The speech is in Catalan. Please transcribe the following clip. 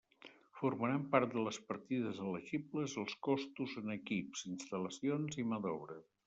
Formaran part de les partides elegibles els costos en equips, instal·lacions i mà d'obra.